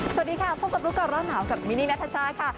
สวัสดีค่ะพบกับรู้ก่อนร้อนหนาวกับมินนี่นัทชาค่ะ